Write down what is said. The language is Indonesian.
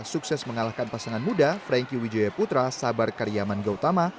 sukses mengalahkan pasangan muda franky wijaya putra sabar karyaman gautama